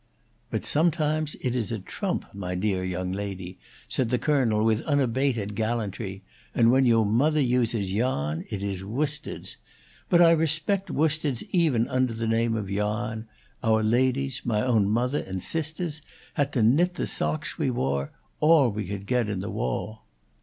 "But sometimes it is a trump, my dear young lady," said the Colonel, with unabated gallantry; "and when yo' mothah uses yarn, it is worsteds. But I respect worsteds even under the name of yarn: our ladies my own mothah and sistahs had to knit the socks we wore all we could get in the woe."